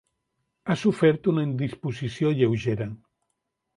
Ha sofert una indisposició lleugera.